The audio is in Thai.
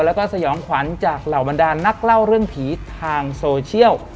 แล้วก็สยองขวัญจากเหล่าบรรดานนักเล่าเรื่องผีทางโซเชียล